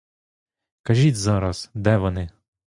Кажіть зараз, де вони?